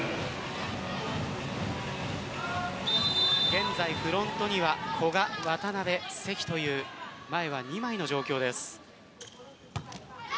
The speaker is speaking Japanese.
現在フロントには古賀、渡邊関という前は２枚の状況です。